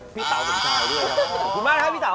พี่เต๋าสำคัญด้วยครับ